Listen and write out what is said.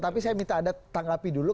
tapi saya minta anda tanggapi dulu